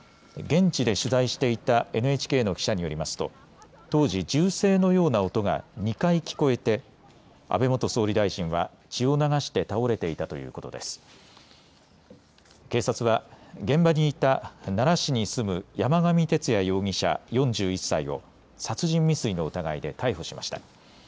現地で取材していたＮＨＫの記者によりますと当時、銃声のような音が２回聞こえて安倍元総理大臣は、血を流して倒れていたということで警察は現場にいた奈良市に住む山上徹也容疑者、４１歳を殺人未遂の疑いで逮捕しました。